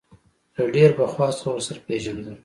له ډېر پخوا څخه ورسره پېژندل.